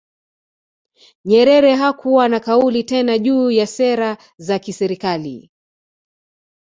Nyerere hakuwa na kauli tena juu ya sera za kiserikali